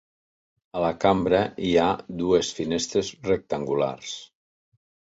A la cambra hi ha dues finestres rectangulars.